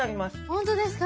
本当ですか！